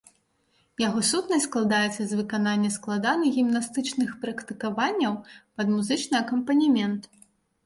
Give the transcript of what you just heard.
Яго сутнасць складаецца з выканання складаных гімнастычных практыкаванняў пад музычны акампанемент.